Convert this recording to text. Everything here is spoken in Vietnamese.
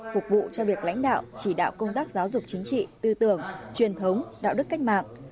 phục vụ cho việc lãnh đạo chỉ đạo công tác giáo dục chính trị tư tưởng truyền thống đạo đức cách mạng